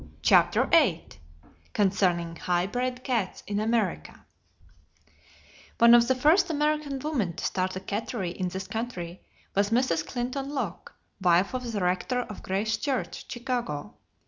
CHAPTER VIII CONCERNING HIGH BRED CATS IN AMERICA One of the first American women to start a "cattery" in this country was Mrs. Clinton Locke, wife of the rector of Grace Church, Chicago.